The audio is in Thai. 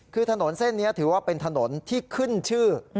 คือถนนเส้นนี้ถือว่าเป็นถนนที่ขึ้นชื่อ